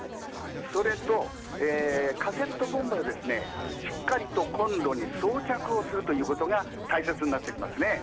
それと、カセットボンベをしっかりとコンロに装着することが大切になってきますね。